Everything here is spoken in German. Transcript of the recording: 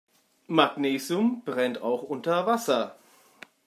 Magnesium brennt auch unter Wasser.